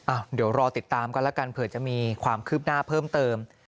เดี๋ยวรอติดตามกันแล้วกันเผื่อจะมีความคืบหน้าเพิ่มเติม